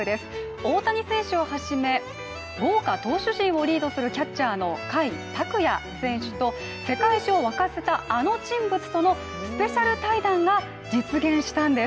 大谷選手をはじめ、豪華投手陣をリードするキャッチャーの甲斐拓也選手と世界中を沸かせたあの人物とのスペシャル対談が実現したんです。